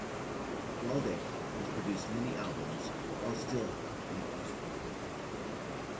Waldeck has produced many albums while still in Austria.